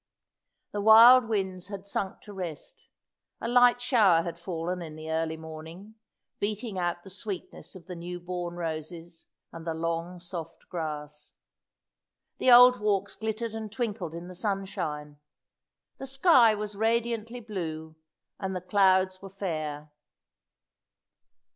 The wild winds had sunk to rest. A light shower had fallen in the early morning, beating out the sweetness of the new born roses, and the long, soft grass. The old walks glittered and twinkled in the sunshine. The sky was radiantly blue, and the clouds were fair.